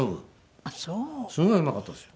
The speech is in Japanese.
すごいうまかったですよ。